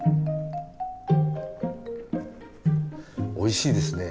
おいしいですね。